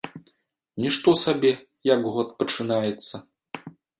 Нішто сабе, як год пачынаецца!